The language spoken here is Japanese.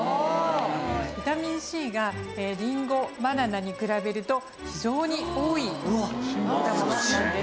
ビタミンＣがりんごバナナに比べると非常に多い果物なんです。